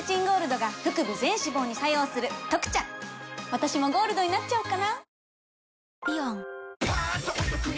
私もゴールドになっちゃおうかな！